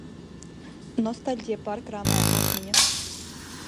Nostalģija pārkrāmē atmiņas.